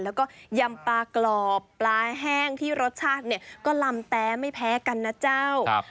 แล้วก็ยำปลากรอบปลาแห้งที่รสชาติเนี่ยก็ลำแต้ไม่แพ้กันนะเจ้า